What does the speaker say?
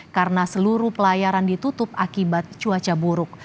karena seluruh pelayaran ditutup akibat cuaca buruk